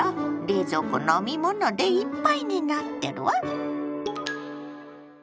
冷蔵庫飲み物でいっぱいになってるわ！